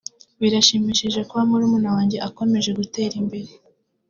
“Birashimishije kuba murumuna wanjye akomeje gutera imbere